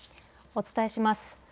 お伝えします。